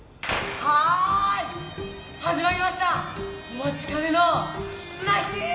はーい始まりましたお待ちかねの綱引き！